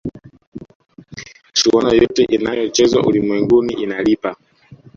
michuano yote inayochezwa ulimwenguni inalipa